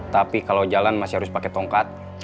tapi kalau berjalan harus pakai tongkat